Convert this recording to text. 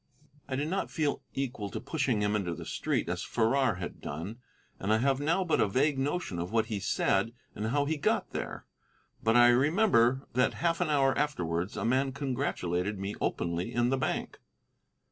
I did not feel equal to pushing him into the street, as Farrar had done, and I have now but a vague notion of what he said and how he got there. But I remember that half an hour afterwards a man congratulated me openly in the bank.